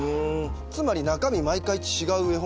つまり中身毎回違う絵本が入ってる。